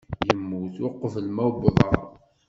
Yemmut uqbel ma uwḍeɣ.